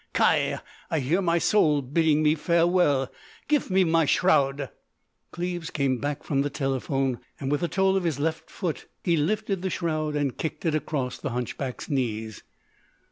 Kai!... I hear my soul bidding me farewell. Gif me my shroud!" Cleves came back from the telephone. With the toe of his left foot he lifted the shroud and kicked it across the hunchback's knees.